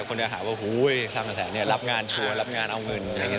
แต่คนเดียวหาว่าฮู้ยสร้างแสดงเนี่ยรับงานชัวร์รับงานเอาเงิน